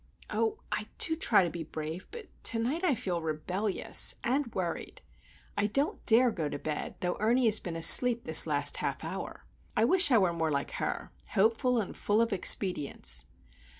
Oh, I do try to be brave; but to night I feel rebellious,—and worried! I don't dare go to bed, though Ernie has been asleep this last half hour. I wish I were more like her,—hopeful and full of expedients.